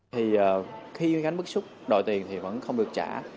thì khi huy khánh bức xúc đổi tiền thì vẫn không được trả